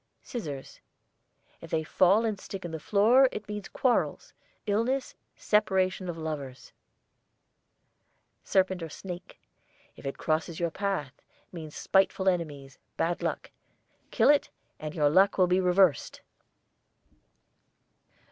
SCISSORS. If they fall and stick in the floor it means quarrels, illness, separation of lovers. SERPENT OR SNAKE. If it crosses your path, means spiteful enemies, bad luck. Kill it and your luck will be reversed.